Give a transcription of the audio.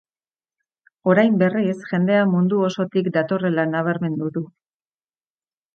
Orain, berriz, jendea mundu osotik datorrela nabarmendu du.